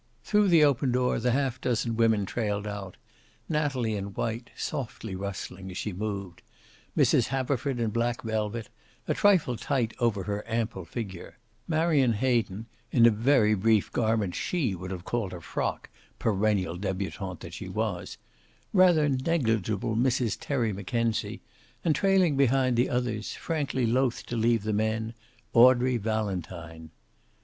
Through the open door the half dozen women trailed out, Natalie in white, softly rustling as she moved, Mrs. Haverford in black velvet, a trifle tight over her ample figure, Marion Hayden, in a very brief garment she would have called a frock, perennial debutante that she was, rather negligible Mrs. Terry Mackenzie, and trailing behind the others, frankly loath to leave the men, Audrey Valentine.